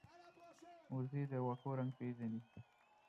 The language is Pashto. وزې د واښو رنګ پېژني